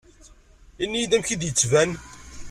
Ini-iyi-d amek i d-yettban.